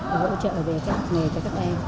hỗ trợ về các nghề cho các em